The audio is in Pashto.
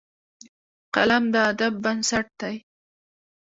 قلم د ادب بنسټ دی